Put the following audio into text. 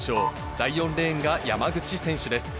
第４レーンが山口選手です。